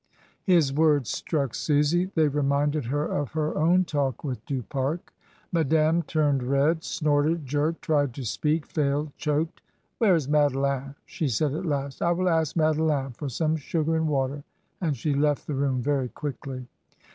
His words struck Susy; they reminded her of her own talk with Du Pare. Madame turned red, snorted, jerked, tried to speak, failed, choked. "Where is Madeleine?" she said at last. "I will ask Madeleine for some sugar and water," and she left the room very quickly.